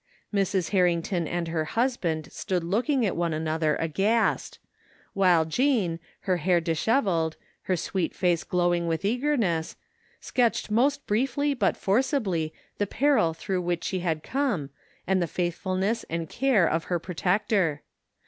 Mrs. Harrington and her husband stood looking at one another aghast ; while Jean, her hair dishevelled, her sweet face glowing with eagerness, sketched most briefly but forcibly the peril through which she had 104 THE FINDING OP JASPER HOLT ccone and the faithfulness and care of her protector.